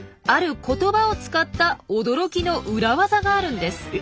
ある言葉を使った驚きの裏技があるんです。